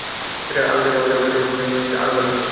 আপনি থাকলে অবশ্য আমার জন্য আরো ভালো হত।